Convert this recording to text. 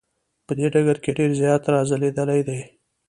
په دې ډګر کې ډیر زیات را ځلیدلی دی.